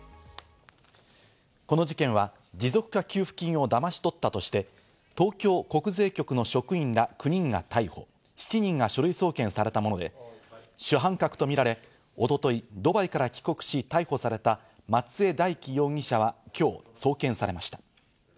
この事件は持続化給付金をだまし取ったとして、東京国税局の職員ら９人が逮捕、７人が書類送検されたもので、主犯格とみられ、一昨日、ドバイから帰国し逮捕された松江大樹容疑者は今日送検されました。